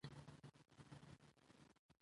د پوهې ډيوه بله وساتئ.